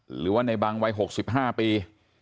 หรือว่าในบังวัย๖๕ปี